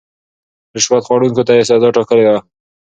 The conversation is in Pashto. رشوت خوړونکو ته يې سزا ټاکلې وه.